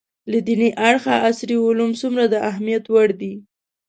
له دیني اړخه عصري علوم څومره د اهمیت وړ دي